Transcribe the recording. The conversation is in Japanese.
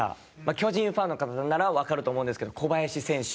巨人ファンの方ならわかると思うんですけど小林選手。